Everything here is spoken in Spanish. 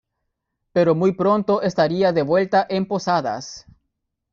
Pero muy pronto estaría de vuelta en Posadas.